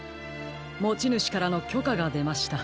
もちぬしからのきょかがでました。